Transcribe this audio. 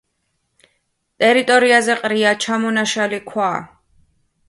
ტერიტორიაზე ყრია ჩამონაშალი ქვა.